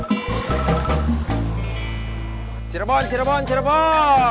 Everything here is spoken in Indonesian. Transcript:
semarang cirebon cirebon